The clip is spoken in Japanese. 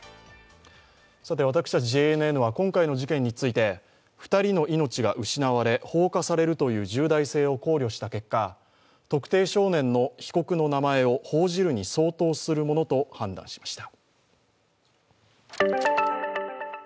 私たち、ＪＮＮは今回の事件について、２人の命が失われ、放火されるという重大性を考慮した結果、特定少年の被告の名前を報じるに相当するものと判断しました。